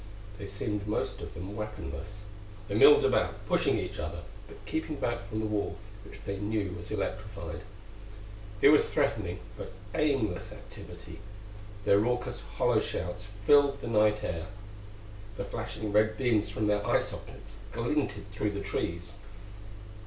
They seemed most of them weaponless; they milled about, pushing each other but keeping back from the wall which they knew was electrified. It was a threatening, but aimless activity. Their raucous hollow shouts filled the night air. The flashing red beams from their eye sockets glinted through the trees.